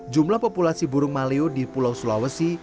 jumlah populasi burung maleo di pulau sulawesi